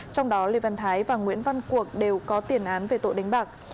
trong đó lê văn thái và nguyễn văn cuộc đều có tiền án về tội đánh bạc